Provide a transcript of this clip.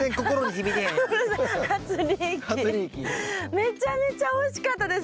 めちゃめちゃおいしかったです！